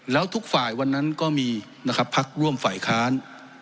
แล้วทุกฝ่ายวันนั้นก็มีนะครับพักร่วมฝ่ายค้าน